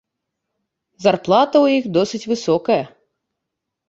Зарплата ў іх досыць высокая.